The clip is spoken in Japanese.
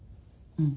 うん。